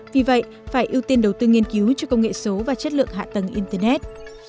vì vậy phải ưu tiên đầu tư nghiên cứu cho công nghệ số và chất lượng hạ tầng internet